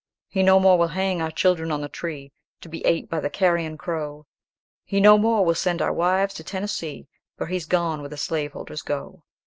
He no more will hang our children on the tree, To be ate by the carrion crow; He no more will send our wives to Tennessee; For he's gone where the slaveholders go.